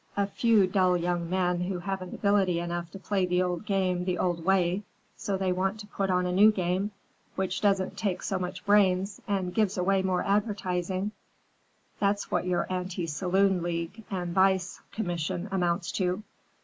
"A few dull young men who haven't ability enough to play the old game the old way, so they want to put on a new game which doesn't take so much brains and gives away more advertising that's what your anti saloon league and vice commission amounts to.